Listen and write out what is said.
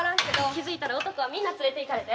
気付いたら男はみんな連れていかれて。